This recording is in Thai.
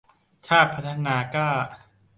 ชาติพัฒนากล้า